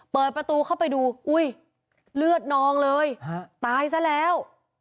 เปิดประตูเข้าไปดูอุ้ยเลือดนองเลยตายซะแล้ว